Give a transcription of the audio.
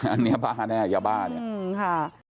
อันนี้บ้าแน่ยาบ้าเนี่ยค่ะ